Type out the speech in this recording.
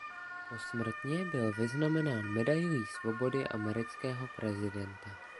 Posmrtně byl vyznamenán Medailí svobody amerického presidenta.